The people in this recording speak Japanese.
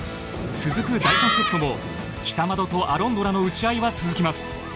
続く第３セットも北窓とアロンドラの打ち合いは続きます。